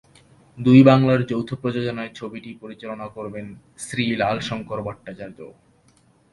দুই বাংলার যৌথ প্রযোজনায় ছবিটি পরিচালনা করবেন শ্রী লাল শঙ্কর ভট্টাচার্য।